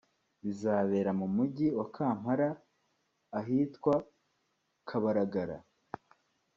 bizabera mu Mujyi wa Kampala ahitwa Kabalagala